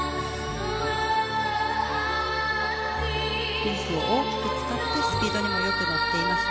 リンクを大きく使ってスピードにも乗っていますね。